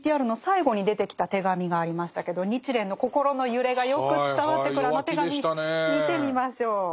ＶＴＲの最後に出てきた手紙がありましたけど日蓮の心の揺れがよく伝わってくるあの手紙見てみましょう。